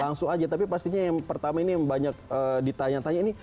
langsung aja tapi pastinya yang pertama ini yang banyak ditanya tanya ini